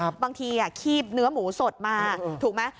บางทีคีบเนื้อหมูสดมาถูกไหม